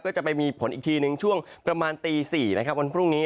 ก็จะไปมีผลอีกทีหนึ่งช่วงประมาณตี๔นะครับวันพรุ่งนี้